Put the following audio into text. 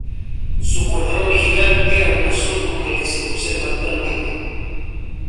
Su color original era un azul como el que se conserva actualmente.